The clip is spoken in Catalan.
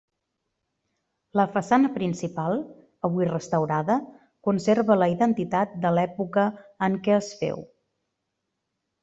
La façana principal, avui restaurada, conserva la identitat de l'època en què es féu.